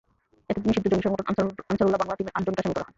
এতে নিষিদ্ধ জঙ্গি সংগঠন আনসারুল্লাহ বাংলা টিমের আটজনকে আসামি করা হয়।